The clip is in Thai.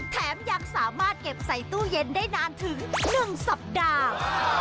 แถมยังสามารถเก็บใส่ตู้เย็นได้นานถึง๑สัปดาห์